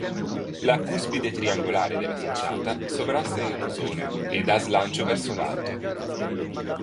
La cuspide triangolare della facciata sovrasta il rosone e dà slancio verso l’alto.